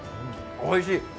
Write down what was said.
おいしい。